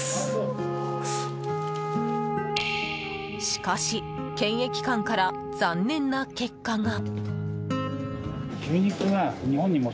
しかし検疫官から残念な結果が。